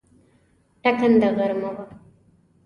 ټاکنده غرمه وه.